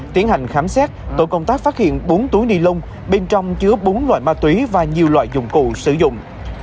tiến hành khám xét tổ công tác phát hiện bốn túi ni lông bên trong chứa bốn loại ma túy và nhiều loại dụng cụ sử dụng